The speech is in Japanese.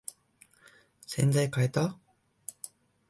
洗剤かえた？